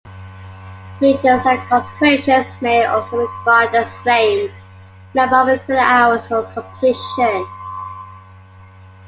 Majors and concentrations may also require the same number of credit hours for completion.